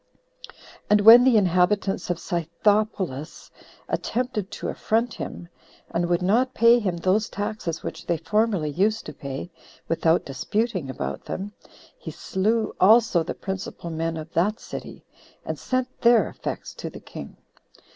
And when the inhabitants of Scythopolis attempted to affront him, and would not pay him those taxes which they formerly used to pay, without disputing about them, he slew also the principal men of that city, and sent their effects to the king.